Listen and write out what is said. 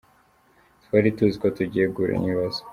Twari tuzi ko tugiye guhura n’ibibazo.